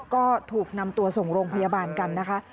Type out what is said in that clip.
ก็ถูกนำตัวส่งโรงพยาบาลกันนะคะ